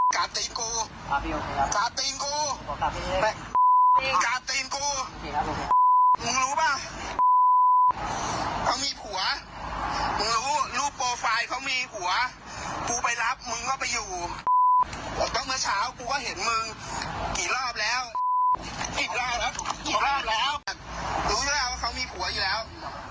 กี่รอบแล้วรู้แล้วว่าเขามีผัวอยู่แล้ว